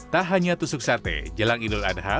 tak hanya tusuk sate jelang idul adha